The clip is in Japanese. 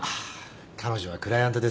彼女はクライアントですよ。